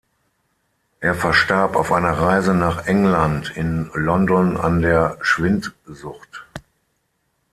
Er verstarb auf einer Reise nach England in London an der Schwindsucht.